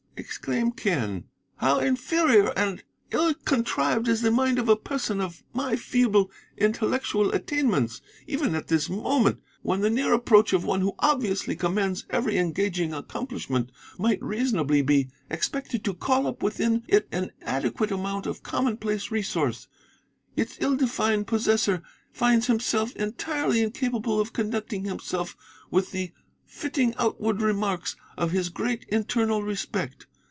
exclaimed Quen, 'how inferior and ill contrived is the mind of a person of my feeble intellectual attainments. Even at this moment, when the near approach of one who obviously commands every engaging accomplishment might reasonably be expected to call up within it an adequate amount of commonplace resource, its ill destined possessor finds himself entirely incapable of conducting himself with the fitting outward marks of his great internal respect.